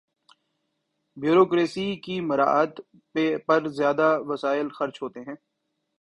Bureaucracy کی مراعات پر زیادہ وسائل خرچ ہوتے ہیں۔